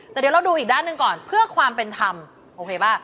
แต่เดี๋ยวเราดูอีกด้านหนึ่งก่อนเพื่อความเป็นธรรมโอเคป่ะ